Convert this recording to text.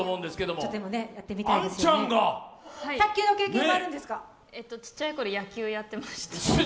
ちっちゃい頃、野球やってました。